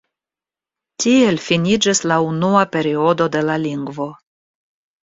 Tiel finiĝis la unua periodo de la lingvo.